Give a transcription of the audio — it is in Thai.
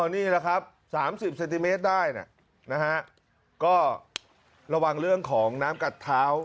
นี่แหละครับ๓๐เซนติเมตรได้นะฮะก็ระวังเรื่องของน้ำกัดเท้า